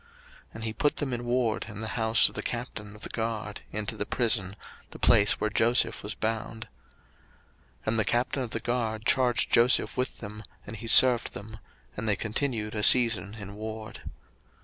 01:040:003 And he put them in ward in the house of the captain of the guard, into the prison, the place where Joseph was bound. 01:040:004 And the captain of the guard charged Joseph with them, and he served them: and they continued a season in ward.